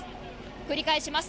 繰り返します。